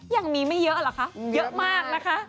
ยังมีไม่เยอะแหละคะทั้งเยอะมากนะคะ